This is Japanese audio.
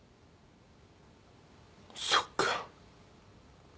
そっか。